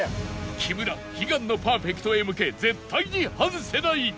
木村悲願のパーフェクトへ向け絶対に外せない